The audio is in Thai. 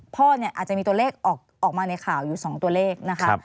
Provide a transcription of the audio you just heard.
อาจจะมีตัวเลขออกมาในข่าวอยู่๒ตัวเลขนะคะ